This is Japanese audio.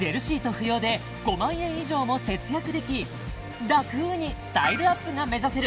不要で５万円以上も節約でき楽にスタイルアップが目指せる